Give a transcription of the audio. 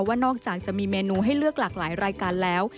ว่านอกจากจะมีเมนูให้เลือกหลากหลายรายการแล้ว